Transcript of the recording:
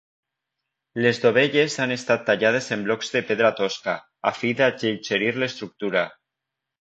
Les dovelles han estat tallades en blocs de pedra tosca, a fi d'alleugerir l'estructura.